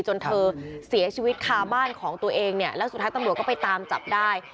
จนเธอเสียชีวิตคาบ้านของตัวเองเนี่ยแล้วสุดท้ายตำรวจก็ไปตามจับได้